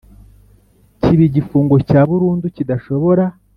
kiba igifungo cya burundu kidashobora